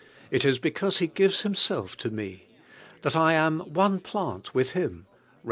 It is because lie gives Himself to me, that 1 am "one plant with Him" (Rom.